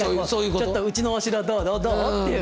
「ちょっとうちのお城どう？」っていう。